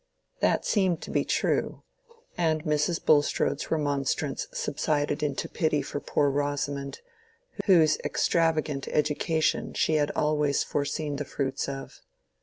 That seemed to be true, and Mrs. Bulstrode's remonstrance subsided into pity for poor Rosamond, whose extravagant education she had always foreseen the fruits of.